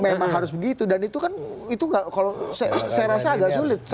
memang harus begitu dan itu kan itu kalau saya rasa agak sulit